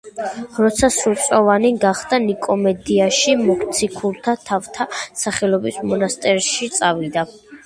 როცა სრულწლოვანი გახდა, ნიკომედიაში მოციქულთა თავთა სახელობის მონასტერში წავიდა.